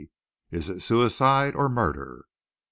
IS IT SUICIDE OR MURDER?"